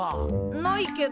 ないけど。